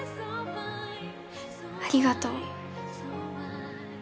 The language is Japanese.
ありがとう。